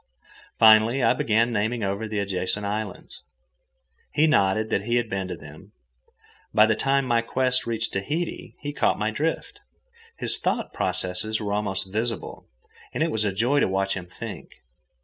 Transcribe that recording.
Finally, I began naming over the adjacent islands. He nodded that he had been to them. By the time my quest reached Tahiti, he caught my drift. His thought processes were almost visible, and it was a joy to watch him think.